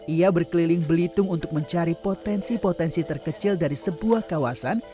ia berkeliling belitung untuk mencari potensi potensi terkecil dari sebuah kawasan